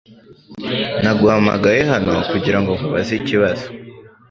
Naguhamagaye hano kugirango nkubaze ikibazo .